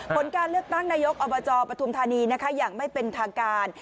ผลการเลือกตั้งนายกอบจปฐุมธานีนะคะอย่างไม่เป็นทางการ